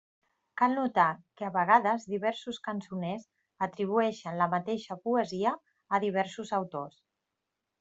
Cal notar que a vegades diversos cançoners atribueixen la mateixa poesia a diversos autors.